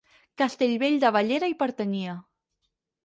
Castellvell de Bellera hi pertanyia.